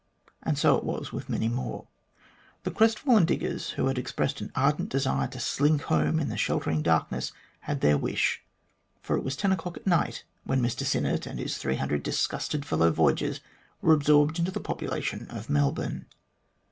And so it was with many more. The crestfallen diggers who had expressed an ardent desire to " slink " home in the sheltering darkness had their wish, for it was ten o'clock at night when Mr Sinuett and his 300 disgusted fellow voyagers were absorbed into the population of Melbourne.